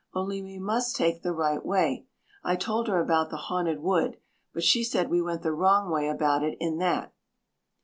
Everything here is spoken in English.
Only we must take the right way. I told her about the Haunted Wood, but she said we went the wrong way about it in that."